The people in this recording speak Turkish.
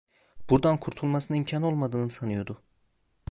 Buradan kurtulmasına imkan olmadığını sanıyordu.